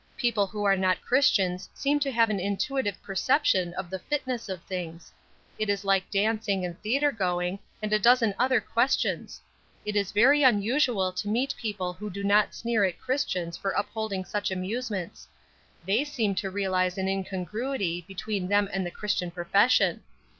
People who are not Christians seem to have an intuitive perception of the fitness of things. It is like dancing and theatre going, and a dozen other questions. It is very unusual to meet people who do not sneer at Christians for upholding such amusements; they seem to realize an incongruity between them and the Christian profession.